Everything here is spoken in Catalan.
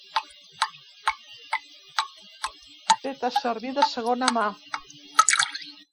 Feta servir de segona mà.